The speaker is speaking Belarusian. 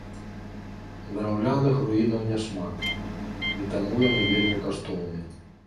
Драўляных руінаў няшмат, і таму яны вельмі каштоўныя.